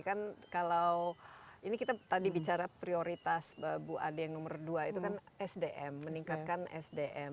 kan kalau ini kita tadi bicara prioritas bu ade yang nomor dua itu kan sdm meningkatkan sdm